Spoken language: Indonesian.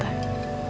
mas haris berhasil